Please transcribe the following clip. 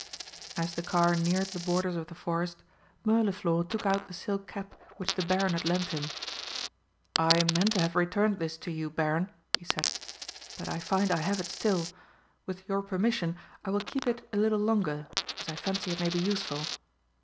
As the car neared the borders of the forest, Mirliflor took out the silk cap which the Baron had lent him. "I meant to have returned this to you, Baron," he said, "but I find I have it still. With your permission, I will keep it a little longer, as I fancy it may be useful.